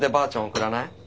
送らない？